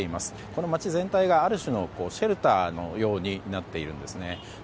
この町全体がある種のシェルターのようになっているんですね。